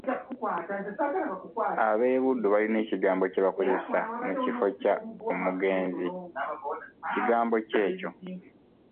"Ab'e Buddu balina ekigambo kye bakozesa mu kifo kya “omugenzi”, kigambo ki ekyo?"